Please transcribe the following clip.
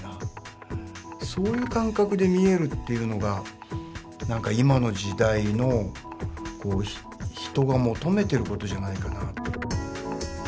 そういう感覚で見えるというのが何か今の時代の人が求めてることじゃないかな。